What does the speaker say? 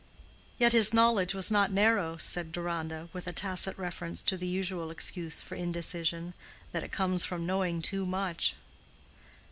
"Yet his knowledge was not narrow?" said Deronda, with a tacit reference to the usual excuse for indecision—that it comes from knowing too much.